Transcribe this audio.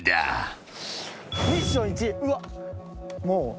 もう。